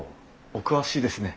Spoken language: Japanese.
お詳しいですね。